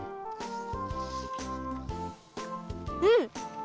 うん！